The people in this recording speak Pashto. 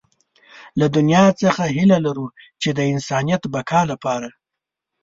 له دنيا څخه هيله لرو چې د انسانيت بقا لپاره.